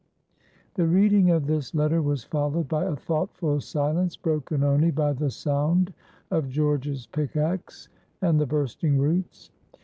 The reading of this letter was followed by a thoughtful silence broken only by the sound of George's pickax and the bursting roots.